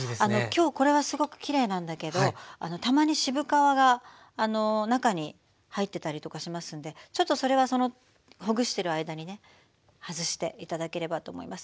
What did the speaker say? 今日これはすごくきれいなんだけどたまに渋皮が中に入ってたりとかしますんでちょっとそれはそのほぐしてる間にね外して頂ければと思います。